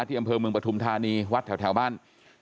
อำเภอเมืองปฐุมธานีวัดแถวบ้าน